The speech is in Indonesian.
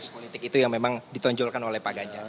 jadi itu yang ditonjolkan oleh pak ganjar